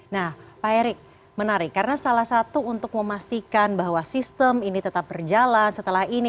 nah pak erick menarik karena salah satu untuk memastikan bahwa sistem ini tetap berjalan setelah ini